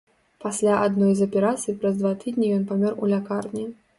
Пасля адной з аперацый праз два тыдні ён памёр у лякарні.